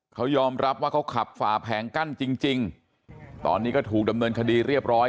เขายอมรับว่าเขาขับฝ่าแผงกั้นจริงตอนนี้ก็ถูกดำเนินคดีเรียบร้อย